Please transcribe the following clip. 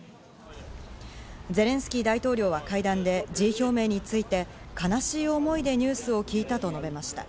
ゼレンスキー大統領は会談で辞意表明について、悲しい思いでニュースを聞いたと述べました。